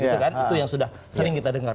itu kan itu yang sudah sering kita dengar